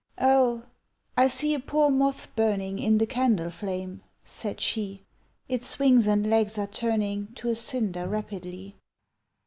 "O, I see a poor moth burning In the candle flame," said she, "Its wings and legs are turning To a cinder rapidly."